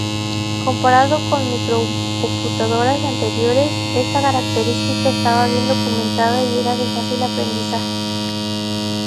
Comparado con microcomputadores anteriores, estas características estaban bien documentadas y eran de fácil aprendizaje.